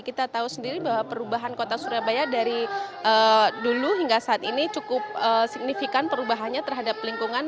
kita tahu sendiri bahwa perubahan kota surabaya dari dulu hingga saat ini cukup signifikan perubahannya terhadap lingkungan